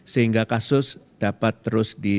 sehingga kasus dapat terus di